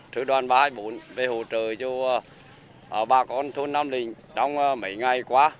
sư đoàn ba trăm hai mươi bốn về hỗ trợ cho bà con thôn nam lĩnh trong mấy ngày qua